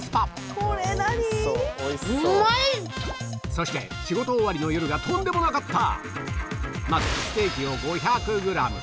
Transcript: そして仕事終わりの夜がとんでもなかった！